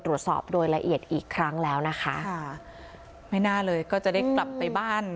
ตรวจสอบโดยละเอียดอีกครั้งแล้วนะคะค่ะไม่น่าเลยก็จะได้กลับไปบ้าน